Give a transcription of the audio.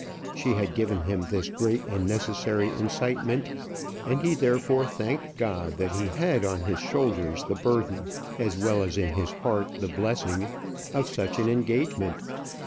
She had given him this great and necessary incitement; and he therefore thanked God that he had on his shoulders the burden, as well as in his heart the blessing, of such an engagement.